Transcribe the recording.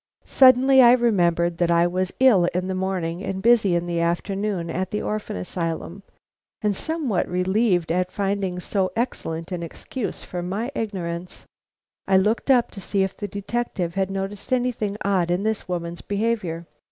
Suddenly I remembered that I was ill in the morning and busy in the afternoon at the Orphan Asylum, and somewhat relieved at finding so excellent an excuse for my ignorance, I looked up to see if the detective had noticed anything odd in this woman's behavior.